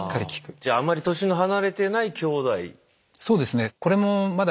じゃああんまり年の離れてないきょうだい。